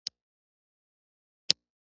اې! تاسو هغه پټ او قیمتي الماس یاست.